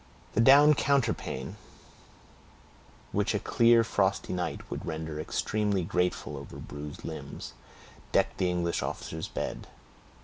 The down counterpane, which a clear frosty night would render extremely grateful over bruised limbs, decked the English officer's bed.